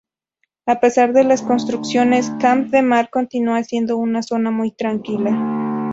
A pesar de las construcciones, Camp de Mar continúa siendo una zona muy tranquila.